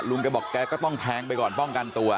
แกบอกแกก็ต้องแทงไปก่อนป้องกันตัว